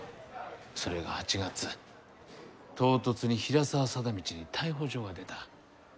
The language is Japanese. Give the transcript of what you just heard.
それが８月唐突に平沢貞通に逮捕状が出た。